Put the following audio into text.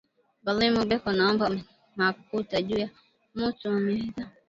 Balimu beko naomba makuta juya mutu aweze